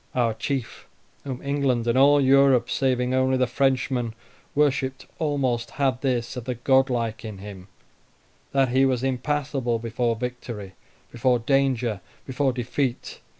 Our chief, whom England and all Europe, saving only the Frenchmen, worshipped almost, had this of the godlike in him, that he was impassible before victory, before danger, before defeat.